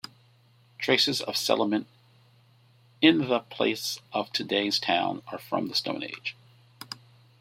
Traces of settlement in the place of today's town are from the Stone Age.